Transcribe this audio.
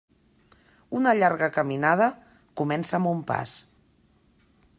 Una llarga caminada comença amb un pas.